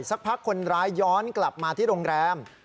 สักพักคนร้ายย้อนกลับมาที่โรงแรม